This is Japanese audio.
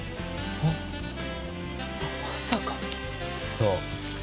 そう。